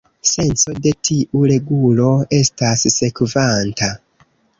Senco de tiu regulo estas sekvanta.